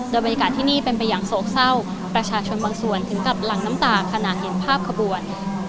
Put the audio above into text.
โดยบรรยากาศที่นี่เป็นไปอย่างโศกเศร้าประชาชนบางส่วนถึงกับหลังน้ำตาขณะเห็นภาพขบวน